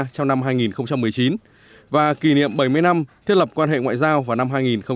trong năm hai nghìn một mươi chín và kỷ niệm bảy mươi năm thiết lập quan hệ ngoại giao vào năm hai nghìn hai mươi